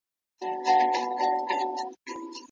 هغه ټولنه چې ګډون پکې عام وي، پیاوړې وي.